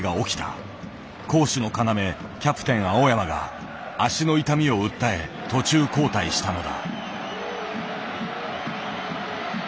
攻守の要キャプテン青山が足の痛みを訴え途中交代したのだ。